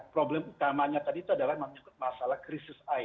problem utamanya tadi itu adalah menyangkut masalah krisis air